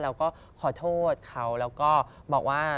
เราก็ขอโทษเขาแล้วก็บอกว่า